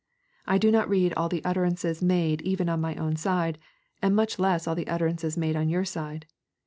I do not read all the utterances made even on my own side, and much less all the utterances made on your side.